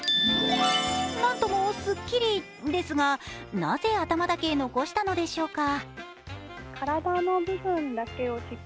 何ともスッキリですがなぜ頭だけ残したのでしょうか。